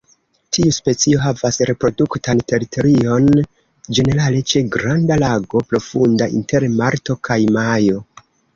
Tiu specio havas reproduktan teritorion, ĝenerale ĉe granda lago profunda, inter marto kaj majo.